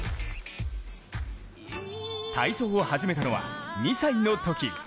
体操を始めたのは２歳のとき。